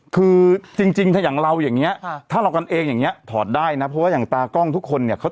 คือจริงถ้าอย่างเราอย่างนี้ถ้าเรากันเองอย่างนี้ถอดได้นะเพราะว่าอย่างตากล้องทุกคนเนี่ย